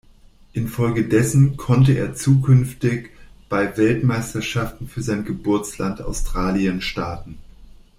Infolgedessen konnte er zukünftig bei Weltmeisterschaften für sein Geburtsland Australien starten.